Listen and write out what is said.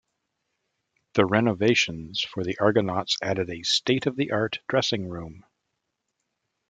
The renovations for the Argonauts added a state-of-the-art dressing room.